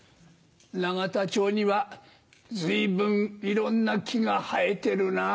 永田町には随分いろんな木が生えてるなぁ。